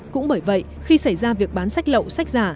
cũng bởi vậy khi xảy ra việc bán sách lậu sách giả